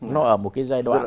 nó ở một cái giai đoạn rất là